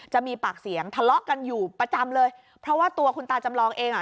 จะมีปากเสียงทะเลาะกันอยู่ประจำเลยเพราะว่าตัวคุณตาจำลองเองอ่ะ